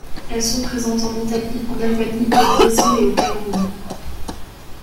Elles sont présentes en Italie, en Albanie, au Brésil et au Cameroun.